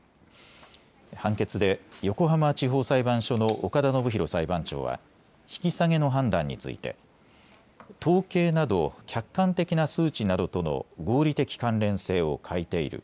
判決で横浜地方裁判所の岡田伸太裁判長は引き下げの判断について統計などを客観的な数値などとのを合理的関連性を欠いている。